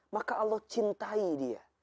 maka allah cintai dia